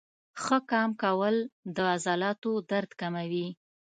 ښه قام کول د عضلاتو درد کموي.